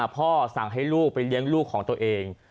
พ่อสั่งให้ลูกไปเลี้ยงลูกของตัวเอง